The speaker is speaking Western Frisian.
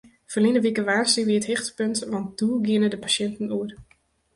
Ferline wike woansdei wie it hichtepunt want doe gienen de pasjinten oer.